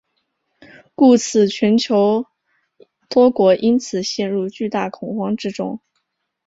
故此全球多国因此陷入巨大恐慌之中。